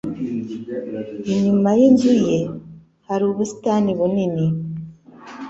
Inyuma yinzu ye hari ubusitani bunini.